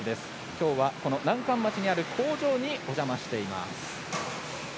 今日は南関町にある工場にお邪魔しています。